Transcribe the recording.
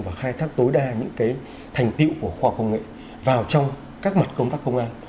và khai thác tối đa những thành tiệu của khoa học công nghệ vào trong các mặt công tác công an